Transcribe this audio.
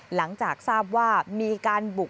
หลังจากทราบว่ามีการบุก